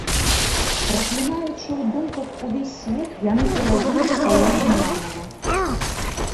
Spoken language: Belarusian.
Праклінаючы ў думках увесь свет, яны перабілі салому нанава.